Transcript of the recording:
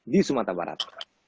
di sumatera barat